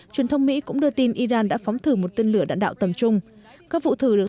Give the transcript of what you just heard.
truyền thông mỹ cũng đưa tin iran đã phóng thử một tên lửa đạn đạo tầm trung các vụ thử được